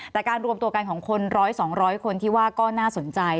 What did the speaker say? แต่การรวมตัวกันของคนร้อยสองร้อยคนที่ว่าก็น่าสนใจ